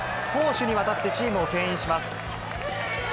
攻守にわたってチームをけん引します。